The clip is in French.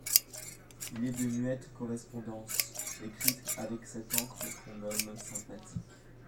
Il est de muettes correspondances, écrites avec cette encre qu'on nomme sympathique.